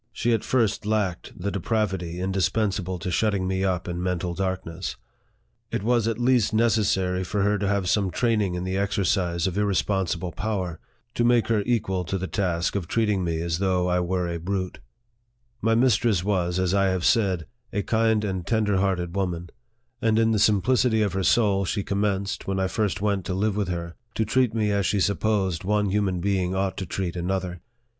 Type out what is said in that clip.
She at first lacked the depravity indispensable to shut ting me up in mental darkness. It was at least neces sary for her to have some training in the exercise of irresponsible power, to make her equal to the task of treating me as though I were a brute. UFE OF FREDERICK DOUGLASS. 3? My mistress was, as I have said, a kind and tender hearted woman ; and in the simplicity of her soul she commenced, when I first went to live with her, to treat me as she supposed one human being ought to treat another.